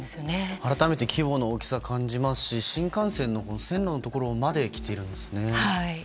改めて規模の大きさを感じますし新幹線の線路のところまで来ているんですね。